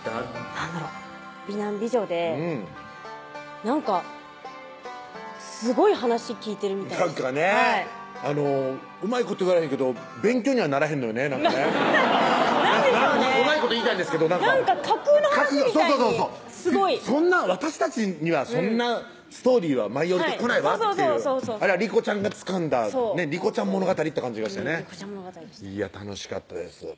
なんだろう美男美女でなんかすごい話聞いてるみたいなんかねうまいこと言われへんけど勉強にはならへんのよねなんかねうまいこと言いたいんですけどなんか架空の話みたいにそうそうそう私たちにはそんなストーリーは舞い降りてこないわっていうあれは理子ちゃんがつかんだ理子ちゃん物語って感じがしてね理子ちゃん物語でしたいや楽しかったです